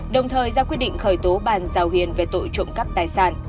đồng thời ra quyết định khởi tố bàn giao hiền về tội trộm cắp tài sản